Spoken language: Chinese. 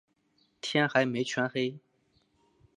天还没全黑